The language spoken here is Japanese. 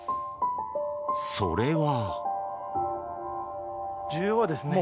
それは。